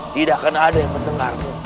tidak akan ada yang mendengarmu